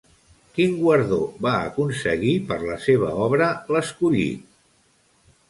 Quin guardó va aconseguir per la seva obra L'escollit?